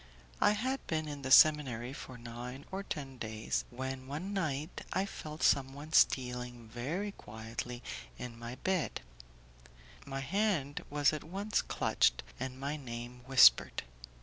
I had been in the seminary for nine or ten days, when one night I felt someone stealing very quietly in my bed; my hand was at once clutched, and my name whispered.